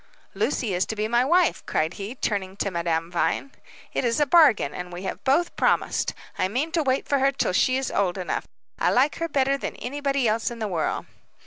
"Lucy is to be my wife," cried he, turning to Madame Vine. "It is a bargain, and we have both promised. I mean to wait for her till she is old enough. I like her better than anybody else in the world."